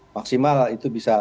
maksimal itu bisa